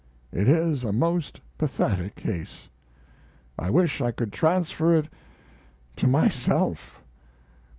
It is a most pathetic case. I wish I could transfer it to myself.